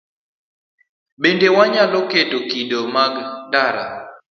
Bende wanyalo keto kido mag ndara